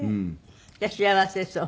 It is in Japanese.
じゃあ幸せそう？